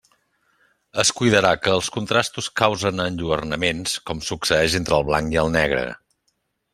Es cuidarà que els contrastos causen enlluernaments, com succeïx entre el blanc i el negre.